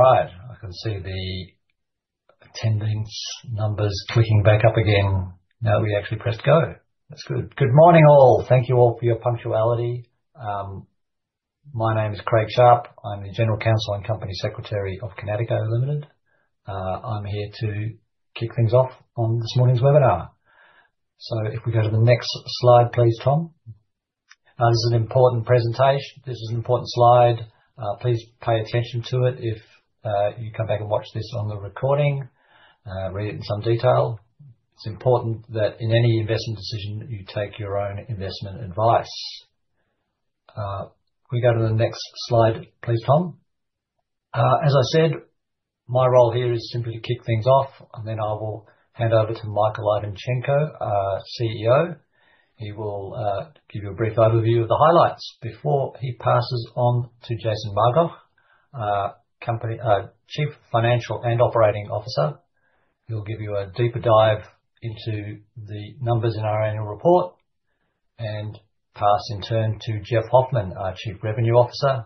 All right. I can see the attendance numbers clicking back up again now that we actually pressed go. That's good. Good morning, all. Thank you all for your punctuality. My name is Craig Sharp. I'm the General Counsel and Company Secretary of Kinatico Limited. I'm here to kick things off on this morning's webinar. If we go to the next slide, please, Tom. This is an important presentation. This is an important slide. Please pay attention to it if you come back and watch this on the recording, read it in some detail. It's important that in any investment decision, you take your own investment advice. Can we go to the next slide, please, Tom? As I said, my role here is simply to kick things off, and then I will hand over to Michael Ivanchenko, CEO. He will give you a brief overview of the highlights before he passes on to Jason Margoff, Chief Financial and Operating Officer. He'll give you a deeper dive into the numbers in our annual report and pass in turn to Jeff Hoffman, our Chief Revenue Officer.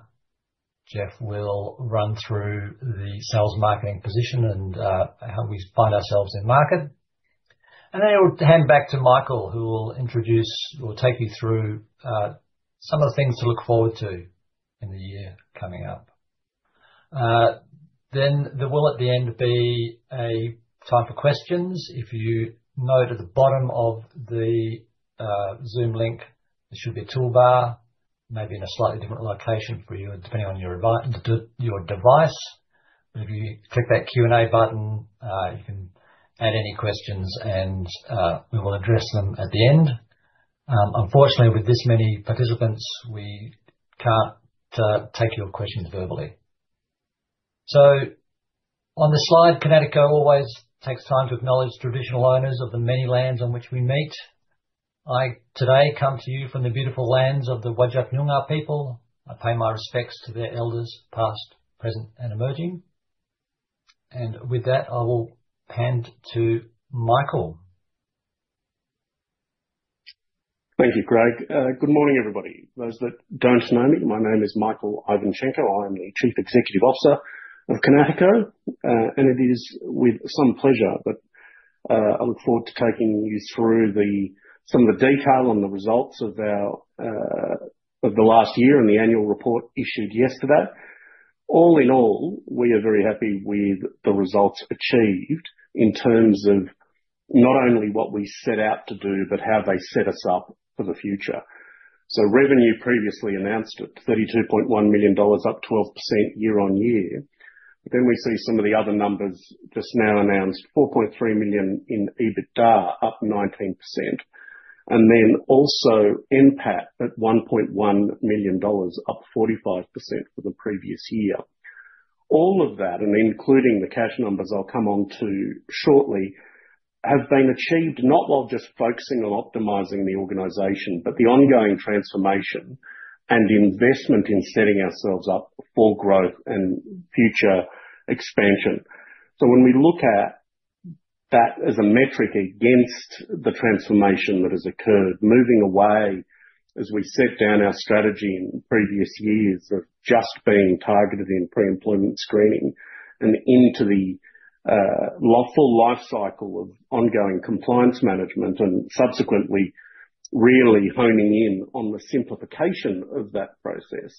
Jeff will run through the sales and marketing position and how we find ourselves in market. He will hand back to Michael, who will introduce or take you through some of the things to look forward to in the year coming up. There will at the end be a time for questions. If you note at the bottom of the Zoom link, there should be a toolbar, maybe in a slightly different location for you, depending on your device. If you click that Q&A button, you can add any questions, and we will address them at the end. Unfortunately, with this many participants, we can't take your questions verbally. On the slide, Kinatico always takes time to acknowledge traditional owners of the many lands on which we meet. I today come to you from the beautiful lands of the Wadjuk Nyungar people. I pay my respects to their elders, past, present, and emerging. With that, I will hand to Michael. Thank you, Craig. Good morning, everybody. Those that don't know me, my name is Michael Ivanchenko. I am the Chief Executive Officer of Kinatico, and it is with some pleasure that I look forward to taking you through some of the detail on the results of the last year and the annual report issued yesterday. All in all, we are very happy with the results achieved in terms of not only what we set out to do, but how they set us up for the future. Revenue previously announced at 32.1 million dollars, up 12% year on year. We see some of the other numbers just now announced: 4.3 million in EBITDA, up 19%. Also NPAT at 1.1 million, up 45% for the previous year. All of that, and including the cash numbers I'll come on to shortly, have been achieved not while just focusing on optimizing the organization, but the ongoing transformation and investment in setting ourselves up for growth and future expansion. When we look at that as a metric against the transformation that has occurred, moving away as we set down our strategy in previous years of just being targeted in pre-employment screening and into the full life cycle of ongoing compliance management and subsequently really honing in on the simplification of that process,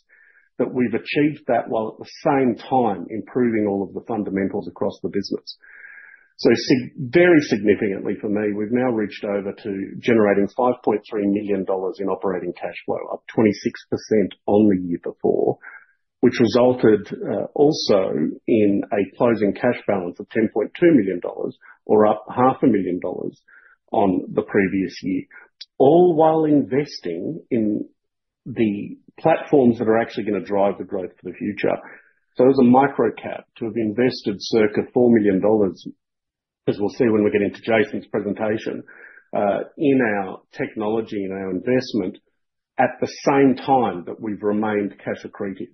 we've achieved that while at the same time improving all of the fundamentals across the business. Very significantly for me, we've now reached over to generating 5.3 million dollars in operating cash flow, up 26% on the year before, which resulted also in a closing cash balance of 10.2 million dollars, or up 500,000 dollars on the previous year, all while investing in the platforms that are actually going to drive the growth for the future. As a micro cap, to have invested circa 4 million dollars, as we'll see when we get into Jason's presentation, in our technology and our investment at the same time that we've remained cash accretive.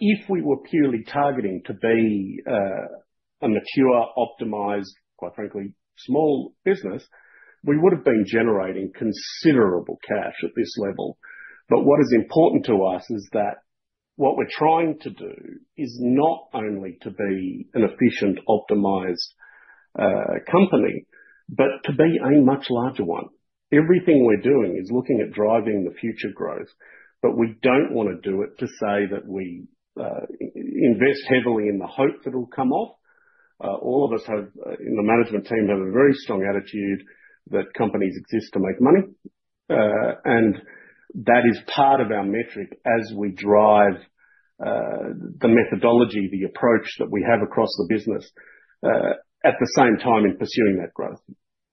If we were purely targeting to be a mature, optimized, quite frankly, small business, we would have been generating considerable cash at this level. What is important to us is that what we're trying to do is not only to be an efficient, optimized company, but to be a much larger one. Everything we're doing is looking at driving the future growth, but we do not want to do it to say that we invest heavily in the hope that it'll come off. All of us in the management team have a very strong attitude that companies exist to make money, and that is part of our metric as we drive the methodology, the approach that we have across the business at the same time in pursuing that growth.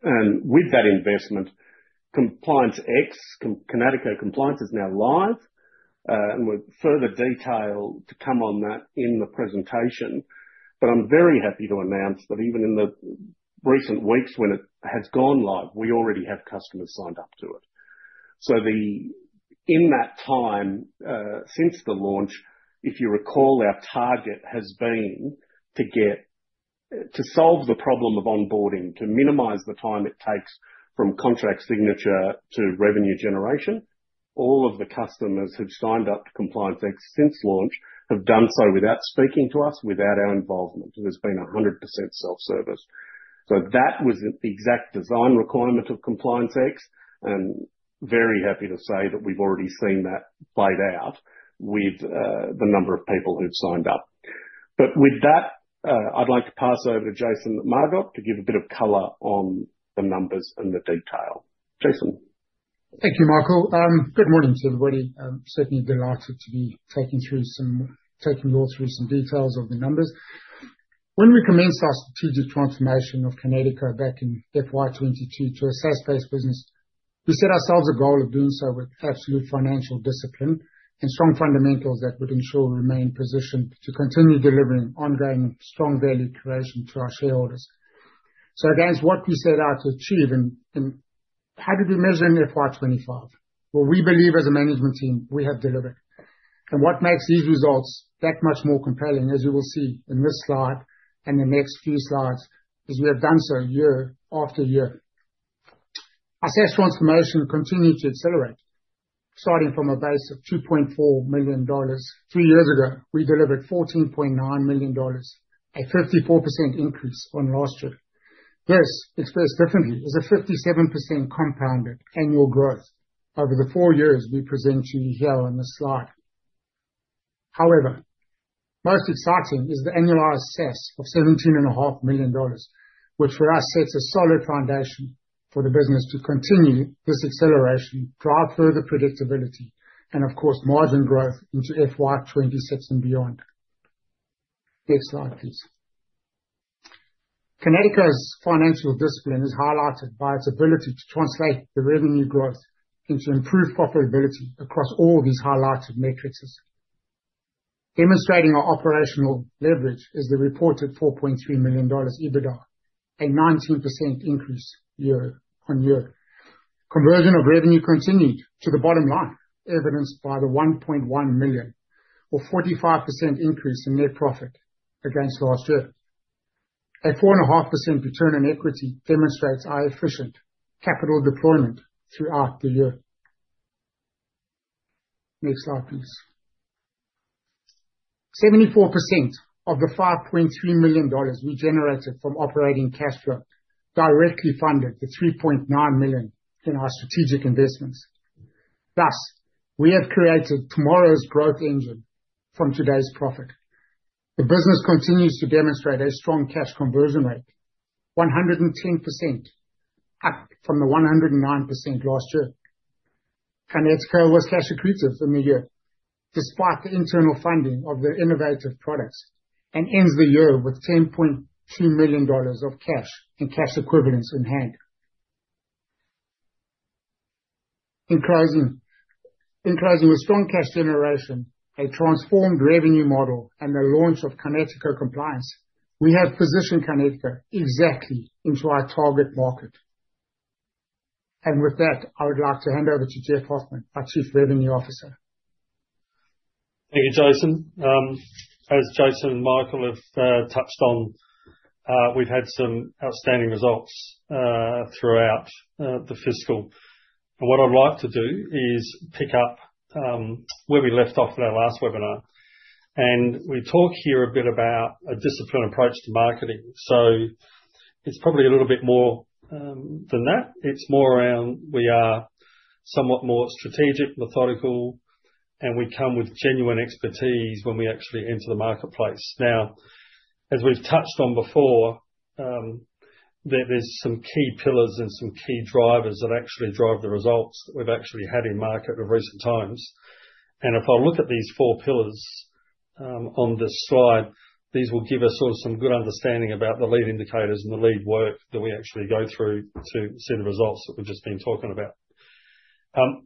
With that investment, Compliance X, Kinatico Compliance, is now live. Further detail to come on that in the presentation. I am very happy to announce that even in the recent weeks when it has gone live, we already have customers signed up to it. In that time since the launch, if you recall, our target has been to solve the problem of onboarding, to minimize the time it takes from contract signature to revenue generation. All of the customers who've signed up to Compliance X since launch have done so without speaking to us, without our involvement. It has been 100% self-service. That was the exact design requirement of Compliance X, and very happy to say that we've already seen that played out with the number of people who've signed up. With that, I'd like to pass over to Jason Margoff to give a bit of color on the numbers and the detail. Jason. Thank you, Michael. Good morning to everybody. Certainly delighted to be taking you all through some details of the numbers. When we commenced our strategic transformation of Kinatico back in FY2022 to a SaaS-based business, we set ourselves a goal of doing so with absolute financial discipline and strong fundamentals that would ensure we remain positioned to continue delivering ongoing strong value creation to our shareholders. Against what we set out to achieve and how did we measure in FY2025? We believe as a management team, we have delivered. What makes these results that much more compelling, as you will see in this slide and the next few slides, is we have done so year after year. Our SaaS transformation continued to accelerate. Starting from a base of 2.4 million dollars, three years ago, we delivered 14.9 million dollars, a 54% increase from last year. This, expressed differently, is a 57% compounded annual growth over the four years we present to you here on this slide. However, most exciting is the annualized SaaS of 17.5 million dollars, which for us sets a solid foundation for the business to continue this acceleration, drive further predictability, and of course, margin growth into FY2026 and beyond. Next slide, please. Kinatico's financial discipline is highlighted by its ability to translate the revenue growth into improved profitability across all these highlighted matrices. Demonstrating our operational leverage is the reported 4.3 million dollars EBITDA, a 19% increase year on year. Conversion of revenue continued to the bottom line, evidenced by the 1.1 million, a 45% increase in net profit against last year. A 4.5% return on equity demonstrates our efficient capital deployment throughout the year. Next slide, please. 74% of the 5.3 million dollars we generated from operating cash flow directly funded the 3.9 million in our strategic investments. Thus, we have created tomorrow's growth engine from today's profit. The business continues to demonstrate a strong cash conversion rate, 110% up from the 109% last year. Kinatico was cash accretive in the year, despite the internal funding of the innovative products, and ends the year with 10.2 million dollars of cash and cash equivalents in hand. In closing, with strong cash generation, a transformed revenue model, and the launch of Kinatico Compliance, we have positioned Kinatico exactly into our target market. With that, I would like to hand over to Jeff Hoffman, our Chief Revenue Officer. Thank you, Jason. As Jason and Michael have touched on, we've had some outstanding results throughout the fiscal. What I'd like to do is pick up where we left off at our last webinar. We talk here a bit about a disciplined approach to marketing. It's probably a little bit more than that. It's more around we are somewhat more strategic, methodical, and we come with genuine expertise when we actually enter the marketplace. Now, as we've touched on before, there are some key pillars and some key drivers that actually drive the results that we've actually had in market of recent times. If I look at these four pillars on this slide, these will give us sort of some good understanding about the lead indicators and the lead work that we actually go through to see the results that we've just been talking about.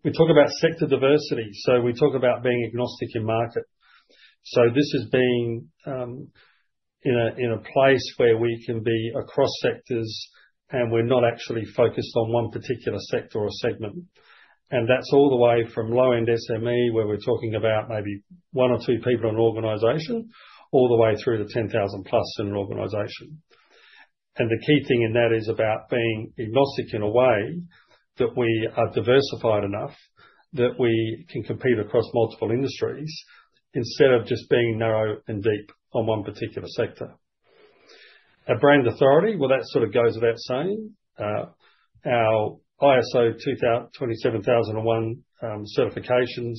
We talk about sector diversity. We talk about being agnostic in market. This has been in a place where we can be across sectors, and we're not actually focused on one particular sector or segment. That's all the way from low-end SME, where we're talking about maybe one or two people in an organization, all the way through to 10,000-plus in an organization. The key thing in that is about being agnostic in a way that we are diversified enough that we can compete across multiple industries instead of just being narrow and deep on one particular sector. Our brand authority, that sort of goes without saying. Our ISO 27001 certifications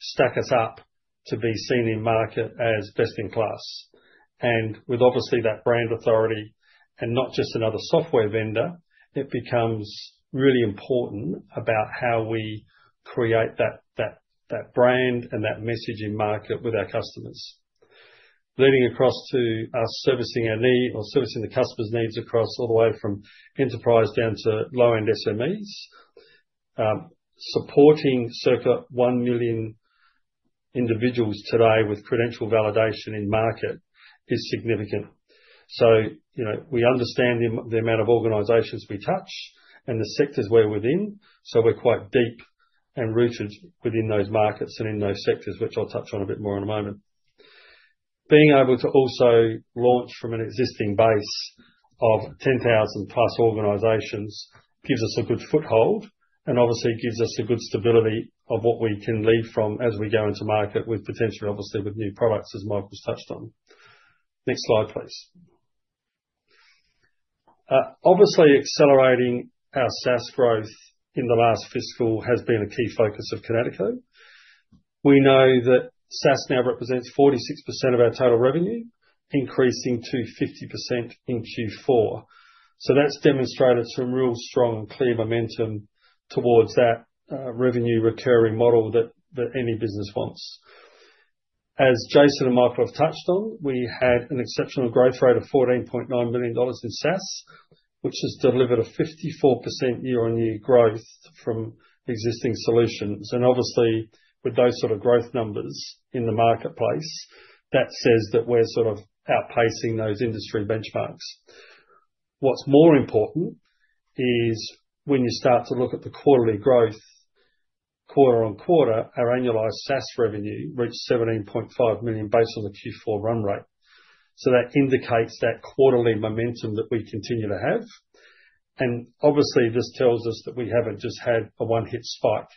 stack us up to be seen in market as best in class. With, obviously, that brand authority and not just another software vendor, it becomes really important about how we create that brand and that message in market with our customers. Leading across to us servicing our need or servicing the customer's needs all the way from enterprise down to low-end SMEs, supporting circa 1 million individuals today with credential validation in market is significant. We understand the amount of organizations we touch and the sectors we're within. We are quite deep and rooted within those markets and in those sectors, which I'll touch on a bit more in a moment. Being able to also launch from an existing base of 10,000-plus organizations gives us a good foothold and obviously gives us a good stability of what we can lead from as we go into market with potential, obviously, with new products, as Michael's touched on. Next slide, please. Obviously, accelerating our SaaS growth in the last fiscal has been a key focus of Kinatico. We know that SaaS now represents 46% of our total revenue, increasing to 50% in Q4. That has demonstrated some real strong and clear momentum towards that revenue recurring model that any business wants. As Jason and Michael have touched on, we had an exceptional growth rate of 14.9 million dollars in SaaS, which has delivered a 54% year-on-year growth from existing solutions. Obviously, with those sort of growth numbers in the marketplace, that says that we're sort of outpacing those industry benchmarks. What's more important is when you start to look at the quarterly growth, quarter on quarter, our annualized SaaS revenue reached 17.5 million based on the Q4 run rate. That indicates that quarterly momentum that we continue to have. Obviously, this tells us that we have not just had a one-hit spike.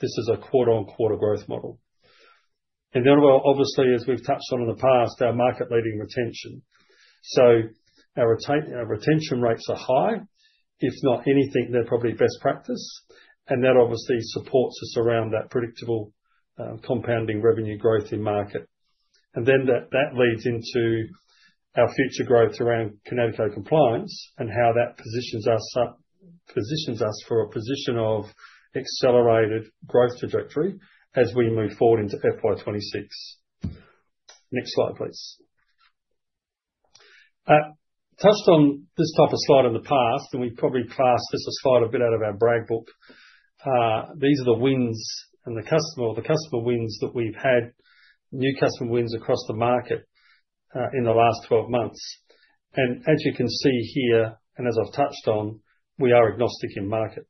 This is a quarter-on-quarter growth model. As we have touched on in the past, our market-leading retention. Our retention rates are high. If not anything, they are probably best practice. That obviously supports us around that predictable compounding revenue growth in market. That leads into our future growth around Kinatico Compliance and how that positions us for a position of accelerated growth trajectory as we move forward into FY2026. Next slide, please. Touched on this type of slide in the past, and we probably passed this slide a bit out of our brag book. These are the wins and the customer wins that we have had, new customer wins across the market in the last 12 months. As you can see here, and as I have touched on, we are agnostic in market.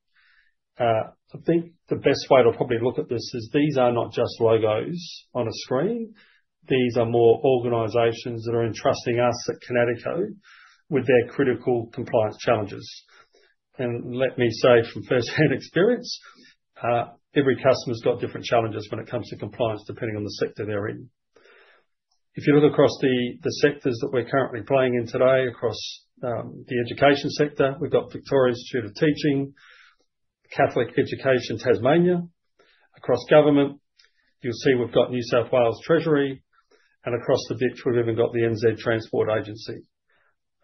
I think the best way to probably look at this is these are not just logos on a screen. These are more organizations that are entrusting us at Kinatico with their critical compliance challenges. Let me say from first-hand experience, every customer's got different challenges when it comes to compliance depending on the sector they're in. If you look across the sectors that we're currently playing in today, across the education sector, we've got Victoria Institute of Teaching, Catholic Education Tasmania. Across government, you'll see we've got New South Wales Treasury. Across the Dutch, we've even got the NZ Transport Agency.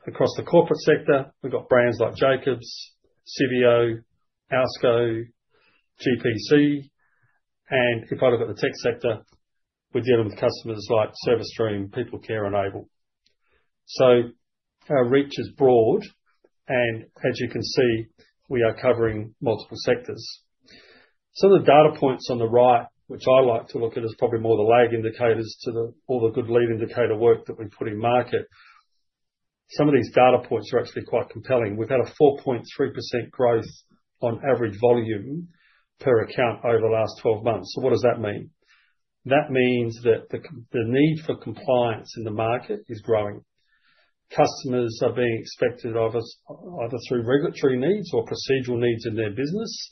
Across the corporate sector, we've got brands like Jacobs, CVO, ASCO, GPC. If I look at the tech sector, we're dealing with customers like ServiceDream, PeopleCare, and Able. Our reach is broad. As you can see, we are covering multiple sectors. Some of the data points on the right, which I like to look at as probably more the lag indicators to all the good lead indicator work that we put in market, some of these data points are actually quite compelling. We've had a 4.3% growth on average volume per account over the last 12 months. What does that mean? That means that the need for compliance in the market is growing. Customers are being expected either through regulatory needs or procedural needs in their business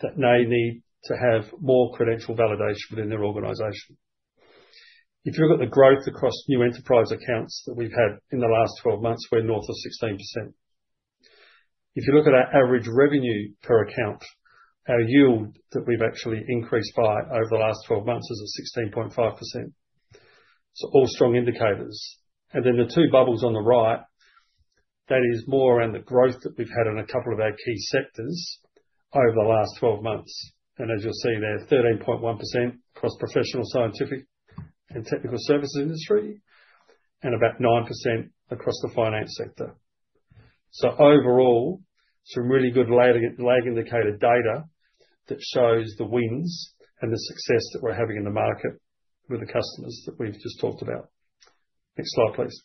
that they need to have more credential validation within their organization. If you look at the growth across new enterprise accounts that we've had in the last 12 months, we're north of 16%. If you look at our average revenue per account, our yield that we've actually increased by over the last 12 months is at 16.5%. All strong indicators. The two bubbles on the right, that is more around the growth that we've had in a couple of our key sectors over the last 12 months. As you'll see there, 13.1% across professional, scientific, and technical services industry, and about 9% across the finance sector. Overall, some really good lag indicator data that shows the wins and the success that we're having in the market with the customers that we've just talked about. Next slide, please.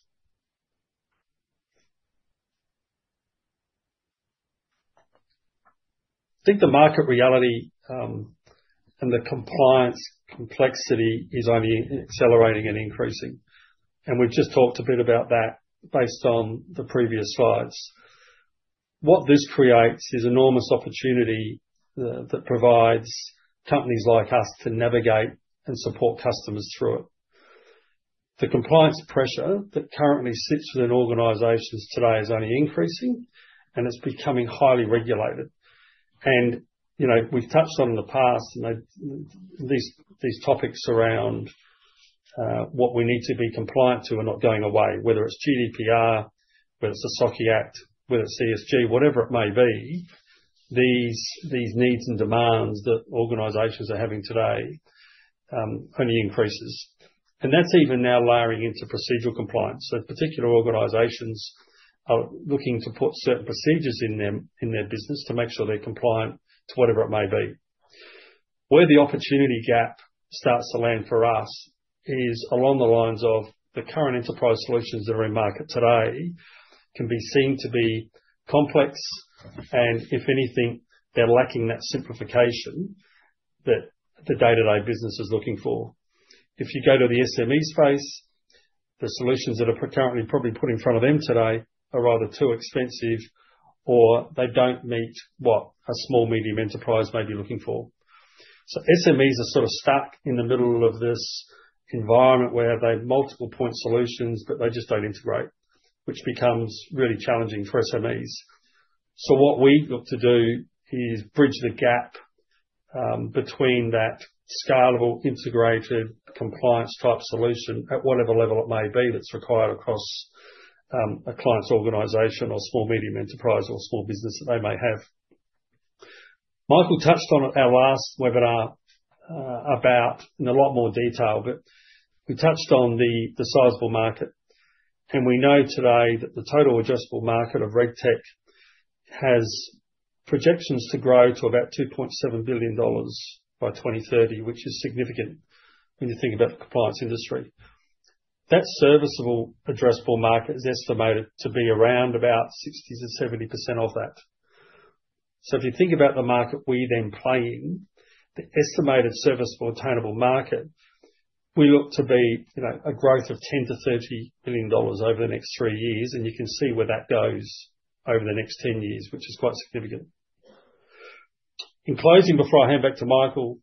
I think the market reality and the compliance complexity is only accelerating and increasing. We've just talked a bit about that based on the previous slides. What this creates is enormous opportunity that provides companies like us to navigate and support customers through it. The compliance pressure that currently sits within organizations today is only increasing, and it's becoming highly regulated. We have touched on in the past, and these topics around what we need to be compliant to are not going away. Whether it is GDPR, whether it is the SOCI Act, whether it is ESG, whatever it may be, these needs and demands that organizations are having today only increases. That is even now layering into procedural compliance. Particular organizations are looking to put certain procedures in their business to make sure they are compliant to whatever it may be. Where the opportunity gap starts to land for us is along the lines of the current enterprise solutions that are in market today can be seen to be complex, and if anything, they are lacking that simplification that the day-to-day business is looking for. If you go to the SME space, the solutions that are currently probably put in front of them today are either too expensive or they do not meet what a small, medium enterprise may be looking for. SMEs are sort of stuck in the middle of this environment where they have multiple point solutions, but they just do not integrate, which becomes really challenging for SMEs. What we look to do is bridge the gap between that scalable, integrated, compliance-type solution at whatever level it may be that is required across a client's organization or small, medium enterprise or small business that they may have. Michael touched on it at our last webinar about in a lot more detail, but we touched on the sizable market. We know today that the total addressable market of reg tech has projections to grow to about 2.7 billion dollars by 2030, which is significant when you think about the compliance industry. That serviceable addressable market is estimated to be around 60-70% of that. If you think about the market we then play in, the estimated serviceable attainable market, we look to be a growth of 10-30 billion dollars over the next three years. You can see where that goes over the next 10 years, which is quite significant. In closing, before I hand back to Michael,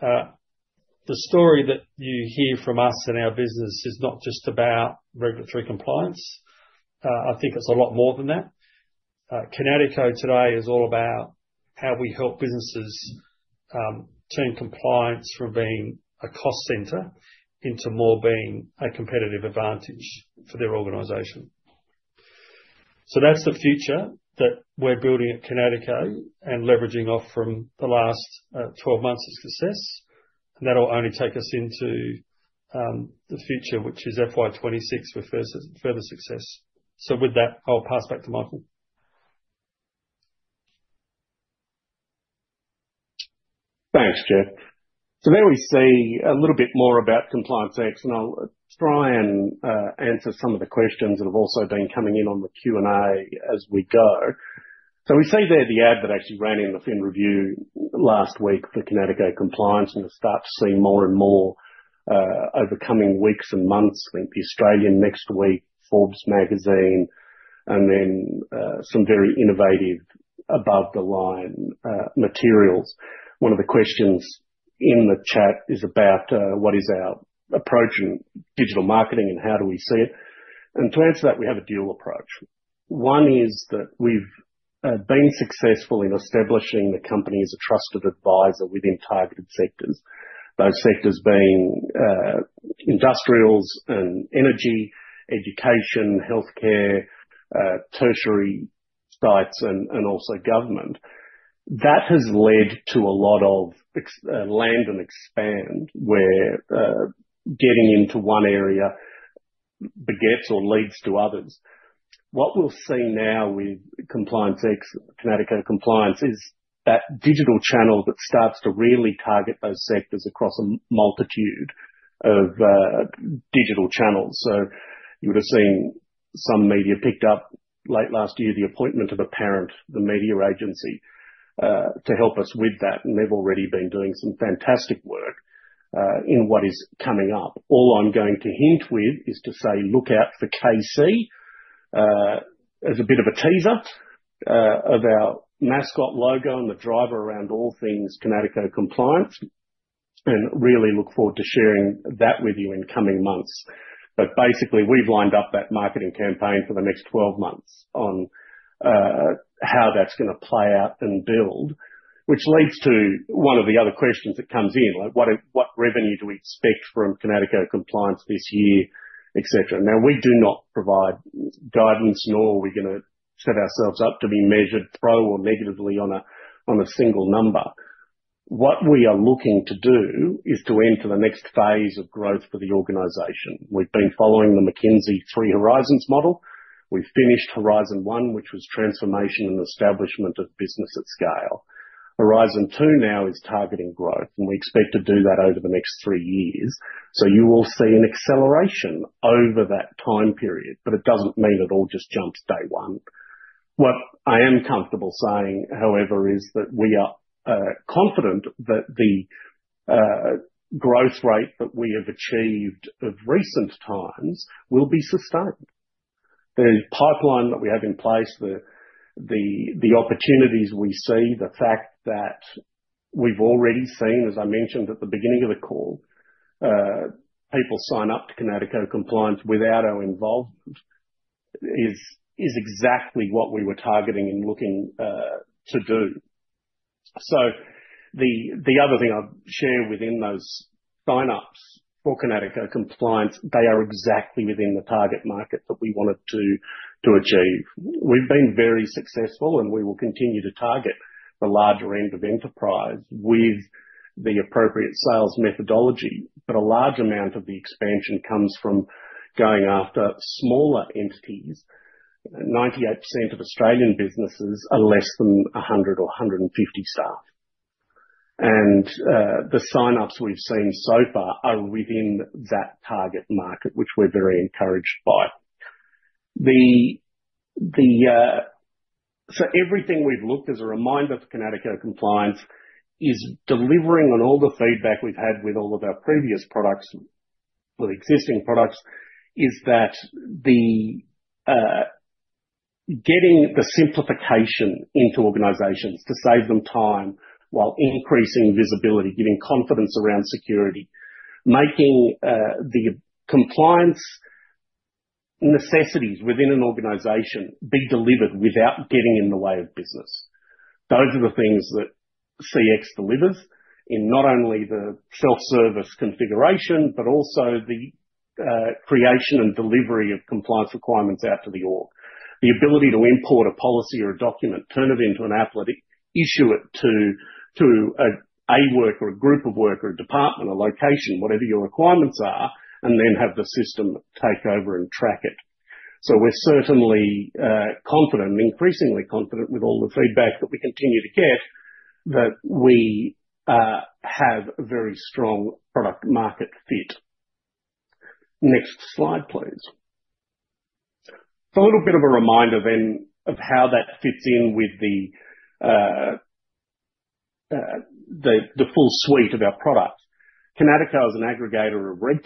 the story that you hear from us and our business is not just about regulatory compliance. I think it's a lot more than that. Kinatico today is all about how we help businesses turn compliance from being a cost center into more being a competitive advantage for their organization. That is the future that we're building at Kinatico and leveraging off from the last 12 months of success. That will only take us into the future, which is FY2026 with further success. With that, I'll pass back to Michael. Thanks, Jeff. There we see a little bit more about Compliance X, and I'll try and answer some of the questions that have also been coming in on the Q&A as we go. We see there the ad that actually ran in The Financial Review last week for Kinatico Compliance. We're going to start to see more and more over coming weeks and months. I think The Australian next week, Forbes Magazine, and then some very innovative above-the-line materials. One of the questions in the chat is about what is our approach in digital marketing and how do we see it. To answer that, we have a dual approach. One is that we've been successful in establishing the company as a trusted advisor within targeted sectors, those sectors being industrials and energy, education, healthcare, tertiary sites, and also government. That has led to a lot of land and expand where getting into one area begets or leads to others. What we'll see now with Kinatico Compliance is that digital channel that starts to really target those sectors across a multitude of digital channels. You would have seen some media picked up late last year the appointment of a parent, the media agency, to help us with that. They've already been doing some fantastic work in what is coming up. All I'm going to hint with is to say, look out for KC as a bit of a teaser of our mascot logo and the driver around all things Kinatico Compliance. I really look forward to sharing that with you in coming months. Basically, we've lined up that marketing campaign for the next 12 months on how that's going to play out and build, which leads to one of the other questions that comes in, like what revenue do we expect from Kinatico Compliance this year, etc. Now, we do not provide guidance, nor are we going to set ourselves up to be measured pro or negatively on a single number. What we are looking to do is to enter the next phase of growth for the organization. We've been following the McKinsey Three Horizons model. We've finished Horizon One, which was transformation and establishment of business at scale. Horizon Two now is targeting growth, and we expect to do that over the next three years. You will see an acceleration over that time period, but it does not mean it all just jumps day one. What I am comfortable saying, however, is that we are confident that the growth rate that we have achieved of recent times will be sustained. The pipeline that we have in place, the opportunities we see, the fact that we have already seen, as I mentioned at the beginning of the call, people sign up to Kinatico Compliance without our involvement is exactly what we were targeting and looking to do. The other thing I will share within those sign-ups for Kinatico Compliance, they are exactly within the target market that we wanted to achieve. We've been very successful, and we will continue to target the larger end of enterprise with the appropriate sales methodology. A large amount of the expansion comes from going after smaller entities. 98% of Australian businesses are less than 100 or 150 staff. The sign-ups we've seen so far are within that target market, which we're very encouraged by. Everything we've looked at as a reminder for Kinatico Compliance is delivering on all the feedback we've had with all of our previous products, with existing products, is that getting the simplification into organizations to save them time while increasing visibility, giving confidence around security, making the compliance necessities within an organization be delivered without getting in the way of business. Those are the things that CX delivers in not only the self-service configuration, but also the creation and delivery of compliance requirements out to the org. The ability to import a policy or a document, turn it into an applet, issue it to a worker or a group of workers, a department, a location, whatever your requirements are, and then have the system take over and track it. We are certainly confident, increasingly confident with all the feedback that we continue to get, that we have a very strong product-market fit. Next slide, please. A little bit of a reminder then of how that fits in with the full suite of our product. Kinatico is an aggregator of reg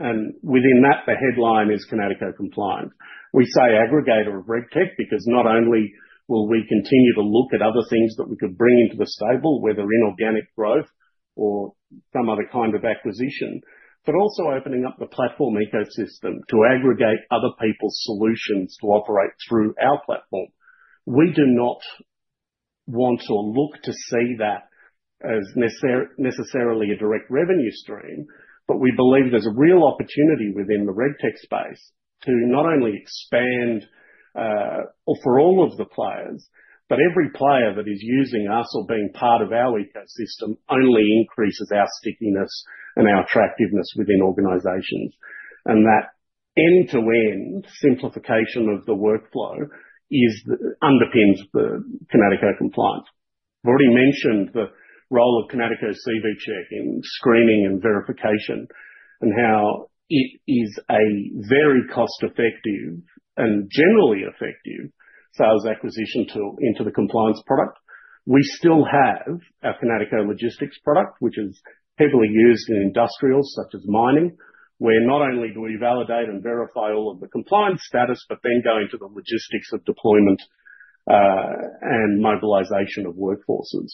tech. Within that, the headline is Kinatico Compliance. We say aggregator of reg tech because not only will we continue to look at other things that we could bring into the stable, whether in organic growth or some other kind of acquisition, but also opening up the platform ecosystem to aggregate other people's solutions to operate through our platform. We do not want to look to see that as necessarily a direct revenue stream, but we believe there's a real opportunity within the reg tech space to not only expand for all of the players, but every player that is using us or being part of our ecosystem only increases our stickiness and our attractiveness within organizations. That end-to-end simplification of the workflow underpins the Kinatico Compliance. I've already mentioned the role of Kinatico CV Check in screening and verification and how it is a very cost-effective and generally effective sales acquisition tool into the compliance product. We still have our Kinatico Logistics product, which is heavily used in industrials such as mining, where not only do we validate and verify all of the compliance status, but then go into the logistics of deployment and mobilization of workforces.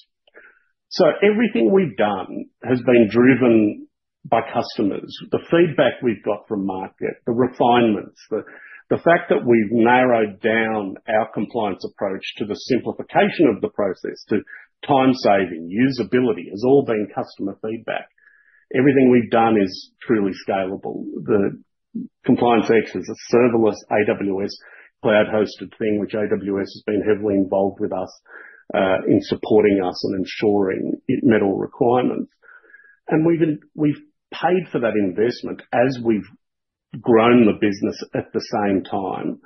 Everything we've done has been driven by customers. The feedback we've got from market, the refinements, the fact that we've narrowed down our compliance approach to the simplification of the process to time saving, usability has all been customer feedback. Everything we've done is truly scalable. Compliance X is a serverless AWS cloud-hosted thing, which AWS has been heavily involved with us in supporting us and ensuring it met all requirements. We've paid for that investment as we've grown the business at the same time.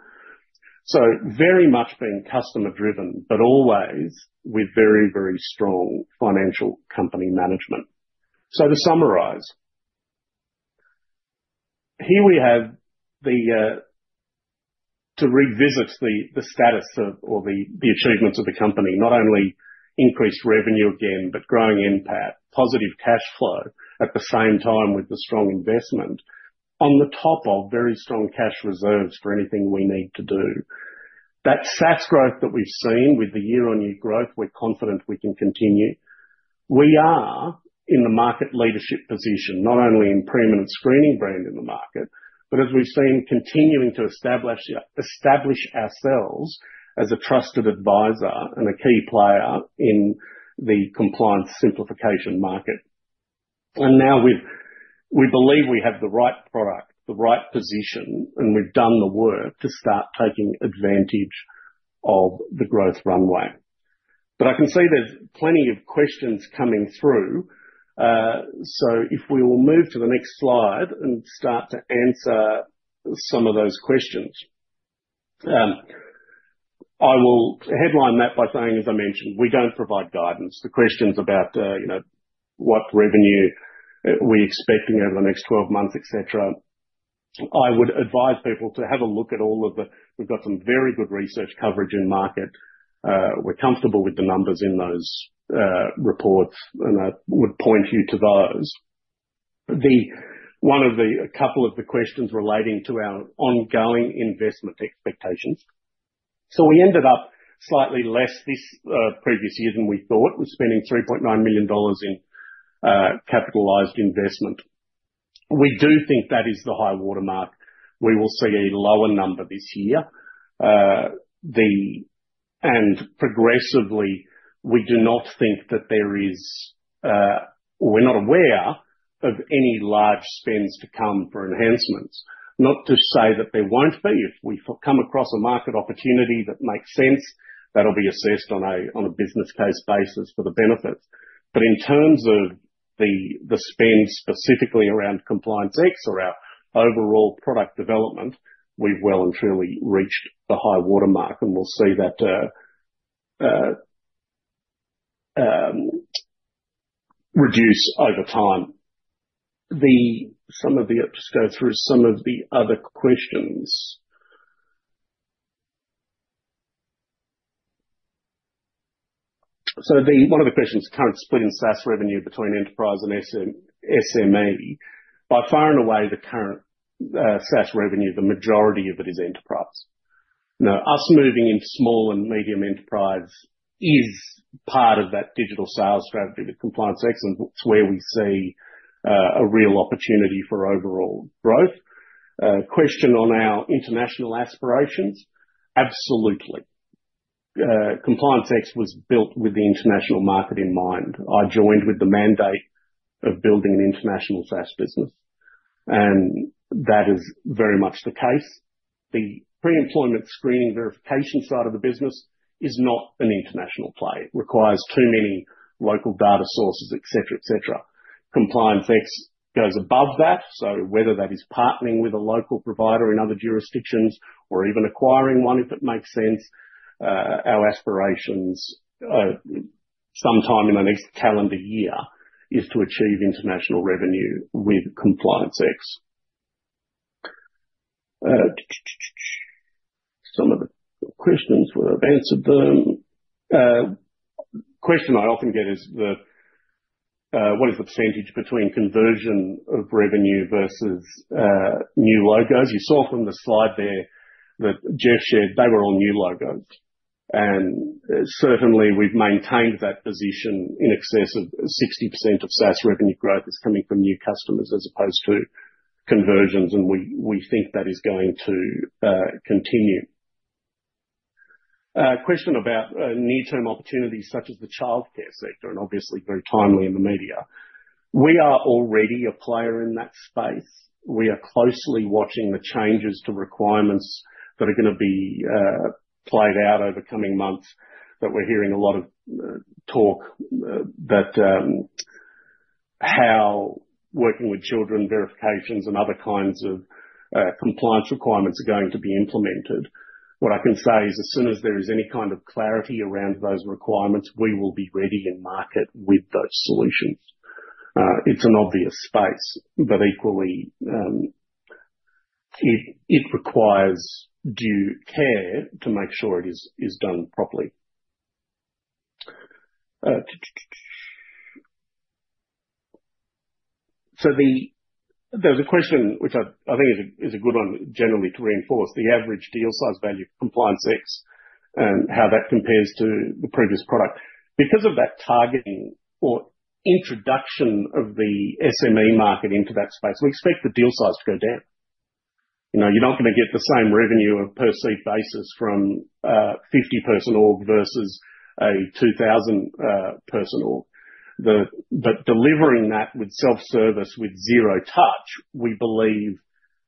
Very much being customer-driven, but always with very, very strong financial company management. To summarize, here we have to revisit the status or the achievements of the company, not only increased revenue again, but growing impact, positive cash flow at the same time with the strong investment on the top of very strong cash reserves for anything we need to do. That SaaS growth that we've seen with the year-on-year growth, we're confident we can continue. We are in the market leadership position, not only in pre-eminent screening brand in the market, but as we've seen, continuing to establish ourselves as a trusted advisor and a key player in the compliance simplification market. Now we believe we have the right product, the right position, and we've done the work to start taking advantage of the growth runway. I can see there's plenty of questions coming through. If we will move to the next slide and start to answer some of those questions, I will headline that by saying, as I mentioned, we do not provide guidance. The questions about what revenue we are expecting over the next 12 months, etc., I would advise people to have a look at all of the, we have some very good research coverage in market. We are comfortable with the numbers in those reports, and I would point you to those. A couple of the questions relating to our ongoing investment expectations. We ended up slightly less this previous year than we thought. We are spending 3.9 million dollars in capitalized investment. We do think that is the high watermark. We will see a lower number this year. Progressively, we do not think that there is, we are not aware of any large spends to come for enhancements. Not to say that there won't be. If we come across a market opportunity that makes sense, that'll be assessed on a business case basis for the benefits. In terms of the spend specifically around Compliance X or our overall product development, we've well and truly reached the high watermark and will see that reduce over time. I'll just go through some of the other questions. One of the questions is current split in SaaS revenue between enterprise and SME. By far and away, the current SaaS revenue, the majority of it is enterprise. Now, us moving into small and medium enterprise is part of that digital sales strategy with Compliance X, and it's where we see a real opportunity for overall growth. Question on our international aspirations? Absolutely. Compliance X was built with the international market in mind. I joined with the mandate of building an international SaaS business, and that is very much the case. The pre-employment screening verification side of the business is not an international play. It requires too many local data sources, etc., etc. Compliance X goes above that. Whether that is partnering with a local provider in other jurisdictions or even acquiring one, if it makes sense, our aspirations sometime in the next calendar year is to achieve international revenue with Compliance X. Some of the questions, we've answered them. A question I often get is, what is the percentage between conversion of revenue versus new logos? You saw from the slide there that Jeff shared they were all new logos. Certainly, we've maintained that position in excess of 60% of SaaS revenue growth is coming from new customers as opposed to conversions, and we think that is going to continue. Question about near-term opportunities such as the childcare sector, and obviously very timely in the media. We are already a player in that space. We are closely watching the changes to requirements that are going to be played out over coming months that we're hearing a lot of talk about how working with children verifications and other kinds of compliance requirements are going to be implemented. What I can say is, as soon as there is any kind of clarity around those requirements, we will be ready in market with those solutions. It's an obvious space, but equally, it requires due care to make sure it is done properly. There is a question, which I think is a good one generally to reinforce, the average deal size value for Compliance X and how that compares to the previous product. Because of that targeting or introduction of the SME market into that space, we expect the deal size to go down. You're not going to get the same revenue on a per seat basis from a 50-person org versus a 2,000-person org. Delivering that with self-service with zero touch, we believe,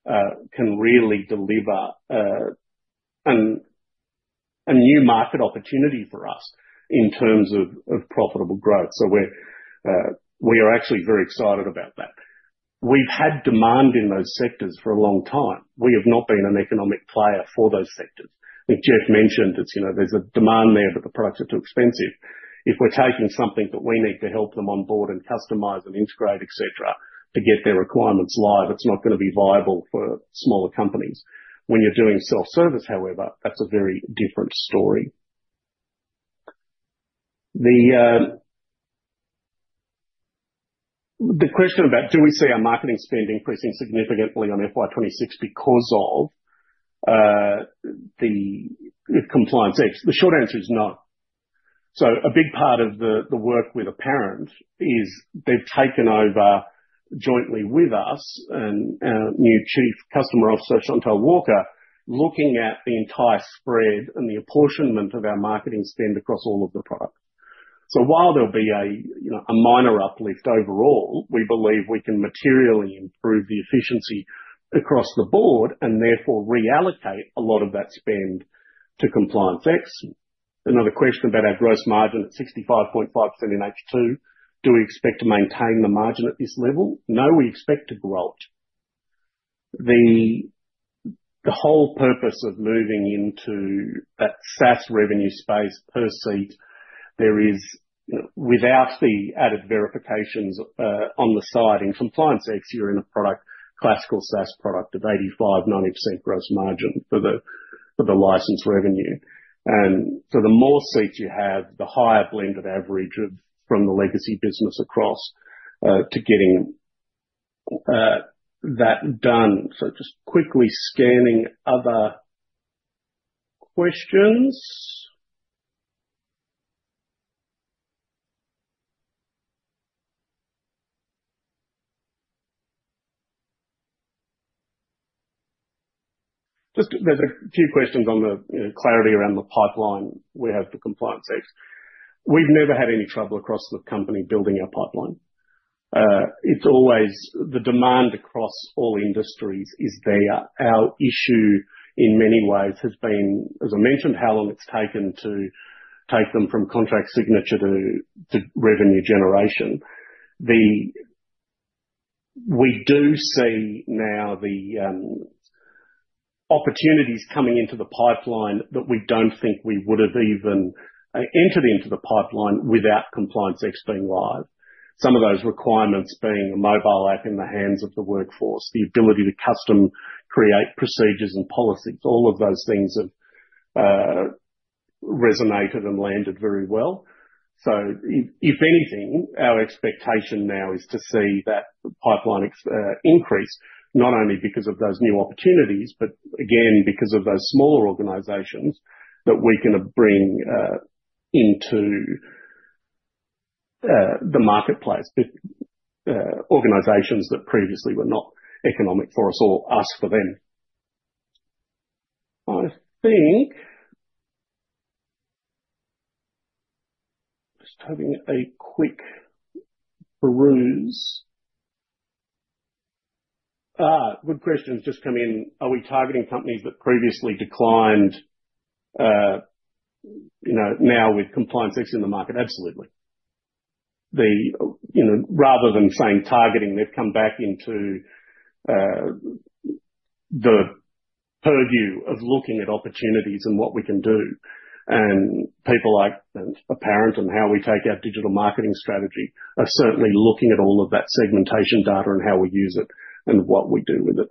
can really deliver a new market opportunity for us in terms of profitable growth. We are actually very excited about that. We've had demand in those sectors for a long time. We have not been an economic player for those sectors. Like Jeff mentioned, there's a demand there, but the products are too expensive. If we're taking something that we need to help them onboard and customize and integrate, etc., to get their requirements live, it's not going to be viable for smaller companies. When you're doing self-service, however, that's a very different story. The question about do we see our marketing spend increasing significantly on FY2026 because of the Compliance X? The short answer is no. A big part of the work with a parent is they've taken over jointly with us and our new Chief Customer Officer, Shantel Walker, looking at the entire spread and the apportionment of our marketing spend across all of the products. While there'll be a minor uplift overall, we believe we can materially improve the efficiency across the board and therefore reallocate a lot of that spend to Compliance X. Another question about our gross margin at 65.5% in H2. Do we expect to maintain the margin at this level? No, we expect to grow it. The whole purpose of moving into that SaaS revenue space per seat there is without the added verifications on the side. In Compliance X, you're in a classical SaaS product of 85-90% gross margin for the license revenue. The more seats you have, the higher blended average from the legacy business across to getting that done. Just quickly scanning other questions. There are a few questions on the clarity around the pipeline we have for Compliance X. We've never had any trouble across the company building our pipeline. The demand across all industries is there. Our issue in many ways has been, as I mentioned, how long it's taken to take them from contract signature to revenue generation. We do see now the opportunities coming into the pipeline that we do not think we would have even entered into the pipeline without Compliance X being live. Some of those requirements being a mobile app in the hands of the workforce, the ability to custom create procedures and policies. All of those things have resonated and landed very well. If anything, our expectation now is to see that pipeline increase, not only because of those new opportunities, but again, because of those smaller organizations that we can bring into the marketplace, organizations that previously were not economic for us or us for them. I think just having a quick peruse. Good questions just come in. Are we targeting companies that previously declined now with Compliance X in the market? Absolutely. Rather than saying targeting, they've come back into the purview of looking at opportunities and what we can do. People like a parent and how we take our digital marketing strategy are certainly looking at all of that segmentation data and how we use it and what we do with it.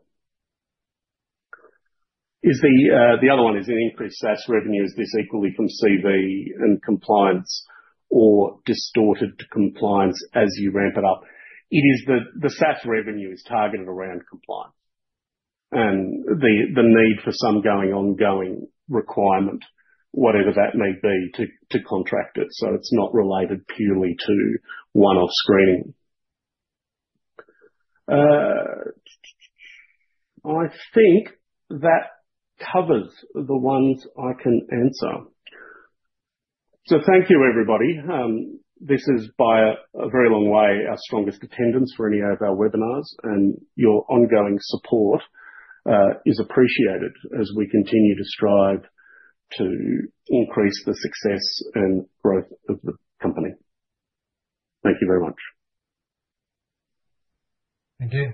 The other one is an increased SaaS revenue. Is this equally from CV and compliance or distorted to compliance as you ramp it up? The SaaS revenue is targeted around compliance and the need for some ongoing requirement, whatever that may be, to contract it. So it's not related purely to one-off screening. I think that covers the ones I can answer. Thank you, everybody. This is by a very long way our strongest attendance for any of our webinars, and your ongoing support is appreciated as we continue to strive to increase the success and growth of the company. Thank you very much. Thank you.